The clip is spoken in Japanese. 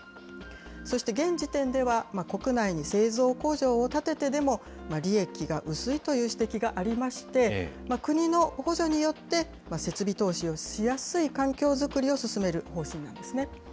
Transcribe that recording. そして、現時点では国内に製造工場を建ててでも、利益が薄いという指摘がありまして、国の補助によって、設備投資をしやすい環境作りを進める方針なんですね。